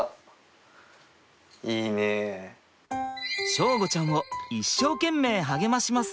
祥吾ちゃんを一生懸命励まします。